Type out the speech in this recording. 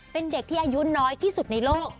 เป็นเด็กที่อายุน้อยที่สุดในโลก